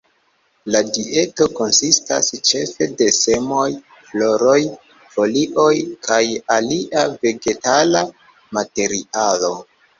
La dieto konsistas ĉefe de semoj, floroj, folioj kaj alia vegetala materialo.